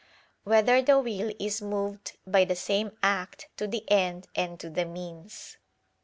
3] Whether the Will Is Moved by the Same Act to the End and to the Means?